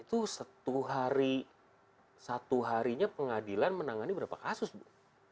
itu satu harinya pengadilan menangani berapa kasus bu